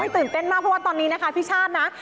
ตื่นเต้นมากเพราะว่าตอนนี้นะคะพี่ชาตินะ